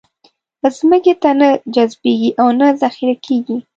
ځمکې ته نه جذبېږي او نه ذخېره کېږي.